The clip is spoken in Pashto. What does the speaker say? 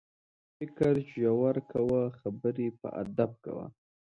فکر ژور کوه، خبرې په ادب کوه.